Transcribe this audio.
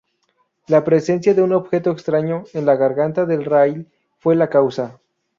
La presencia de un objeto extraño en la garganta del rail fue la causa.